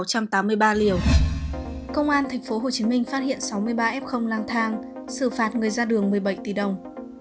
công an tp hcm phát hiện sáu mươi ba f lang thang xử phạt người ra đường một mươi bảy tỷ đồng